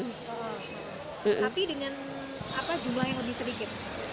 tapi dengan jumlah yang lebih sedikit